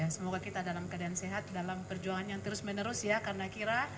semoga kita dalam keadaan sehat dalam perjuangan yang terus menerus ya karena kira